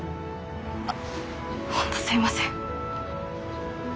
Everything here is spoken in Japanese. あっ本当すいません。